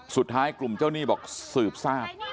สุดท้ายกลุ่มเจ้าหนี้บอกสืบทราบ